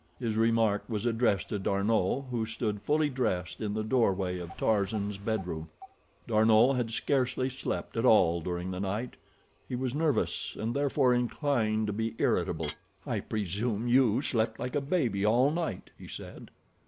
His remark was addressed to D'Arnot, who stood fully dressed in the doorway of Tarzan's bedroom. D'Arnot had scarcely slept at all during the night. He was nervous, and therefore inclined to be irritable. "I presume you slept like a baby all night," he said.